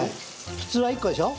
普通は１個でしょ。